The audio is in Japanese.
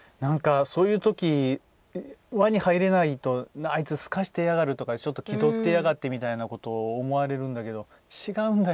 そういうとき輪に入れないとあいつ、すかしてやがるとかちょっと気取ってやがってみたいなことを思われるんだけど違うんだよ。